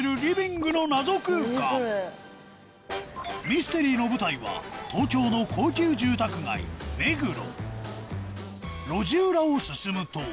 ミステリーの舞台は東京の高級住宅街目黒